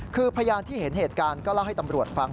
คือพยานที่เห็นเหตุการณ์ก็เล่าให้ตำรวจฟัง